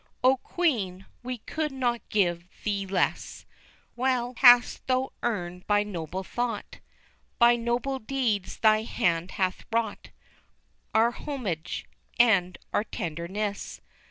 _ O Queen! we could not give thee less, Well hast thou earned by noble thought, By noble deeds thy hand hath wrought, Our homage and our tenderness.